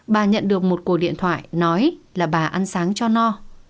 bà nhận được một cuộc điện thoại nói là bà ăn sáng cho no